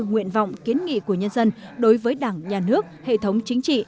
nguyện vọng kiến nghị của nhân dân đối với đảng nhà nước hệ thống chính trị